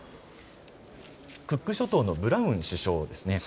クック諸島のブラウン首相です。